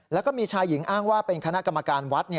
แล้วก็มีชายหญิงอ้างว่าเป็นคณะกรรมการวัด